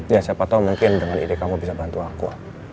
ya siapa tau mungkin dengan ide kamu bisa bantu aku